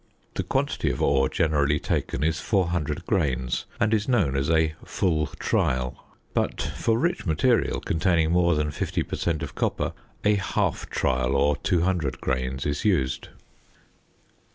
The quantity of ore generally taken is 400 grains, and is known as "a full trial"; but for rich material, containing more than 50 per cent. of copper, "a half trial," or 200 grains, is used.